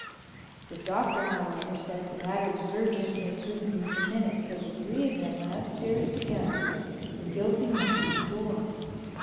The Doctor, however, said the matter was urgent and they couldn't lose a minute, so the three of them went upstairs together and Gilsey knocked at the door.